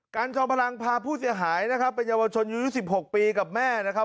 จอมพลังพาผู้เสียหายนะครับเป็นเยาวชนอายุ๑๖ปีกับแม่นะครับ